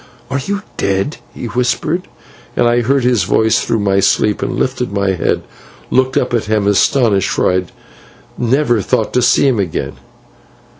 "Are you dead?" he whispered, and I heard his voice through my sleep, and, lifting my head, looked up at him astonished, for I had never thought to see him again.